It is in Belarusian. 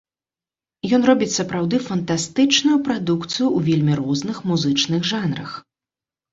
Ён робіць сапраўды фантастычную прадукцыю ў вельмі розных музычных жанрах.